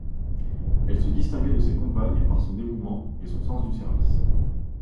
Elle se distinguait de ses compagnes par son dévouement et son sens du service.